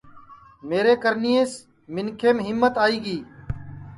میرے کرنیس منکھیم ہیمت آئی گی